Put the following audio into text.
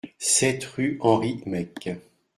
sept rue Henri Meck